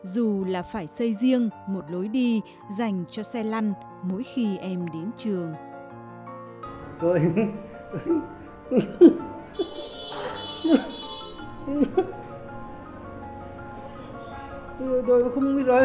dù là phải xây riêng bất cứ cách nào cũng được